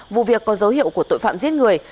vụ việc có dấu hiệu của tội phạm giết người